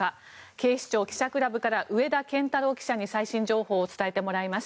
警視庁記者クラブから上田健太郎記者に最新情報を伝えてもらいます。